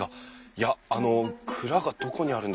いやあの蔵がどこにあるんですかね？